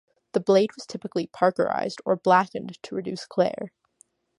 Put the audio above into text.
The blade was typically parkerized or blackened to reduce glare.